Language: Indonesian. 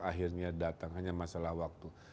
akhirnya datang hanya masalah waktu